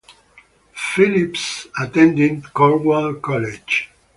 Phillips attended Cornwall College.